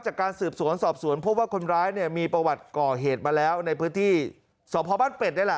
จากการสืบสวนสอบสวนพบว่าคนร้ายเนี่ยมีประวัติก่อเหตุมาแล้วในพื้นที่สพบ้านเป็ดนี่แหละ